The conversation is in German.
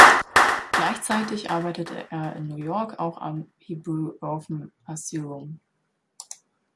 Gleichzeitig arbeitete er in New York auch am "Hebrew Orphan Asylum".